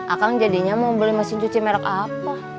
akan jadinya mau beli mesin cuci merek apa